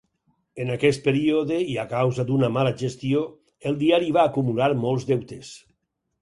En aquest període i a causa d'una mala gestió, el diari va acumular molts deutes.